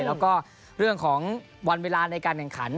แล้วก็เรื่องของวันเวลาในการแข่งขัน